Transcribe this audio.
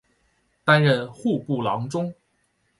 担任户部郎中。